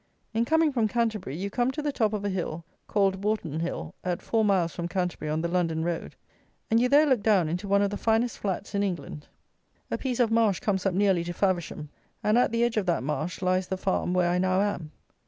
In coming from Canterbury, you come to the top of a hill, called Baughton Hill, at four miles from Canterbury on the London road; and you there look down into one of the finest flats in England. A piece of marsh comes up nearly to Faversham; and, at the edge of that marsh lies the farm where I now am.